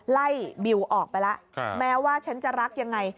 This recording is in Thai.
บิวออกไปแล้วแม้ว่าฉันจะรักยังไง